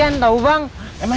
udah yuk kita kemon